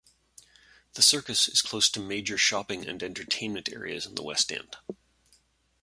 The Circus is close to major shopping and entertainment areas in the West End.